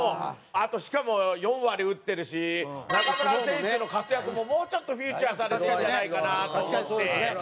あとしかも４割打ってるし中村選手の活躍ももうちょっとフィーチャーされていいんじゃないかなと思って。